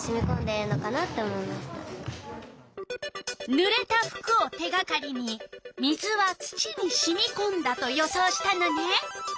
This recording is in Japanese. ぬれた服を手がかりに「水は土にしみこんだ」と予想したのね。